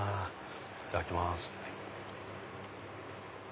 いただきます。